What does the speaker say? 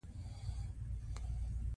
فرګوسن او کراول راجرز هم راسره وو.